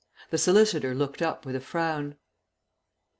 The solicitor looked up with a frown.